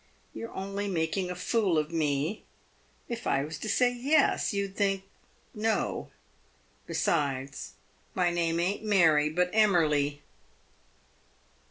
" You're only making a fool of me. If I was to say : Yes, you'd think : No. Besides, my name ain't Mary, but Emmerly."